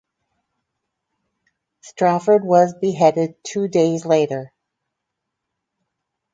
Strafford was beheaded two days later.